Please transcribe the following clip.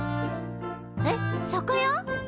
えっ酒屋？